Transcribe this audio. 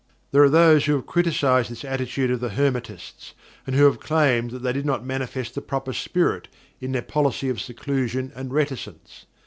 There are those who have criticized this attitude of the Hermetists, and who have claimed that they did not manifest the proper spirit in their policy of seclusion and reticence.